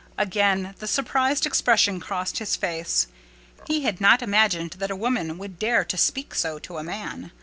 Again the surprised expression crossed his face. He had not imagined that a woman would dare to speak so to a man.